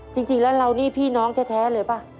จริงแล้วเรานี่พี่น้องแท้เลยป่ะ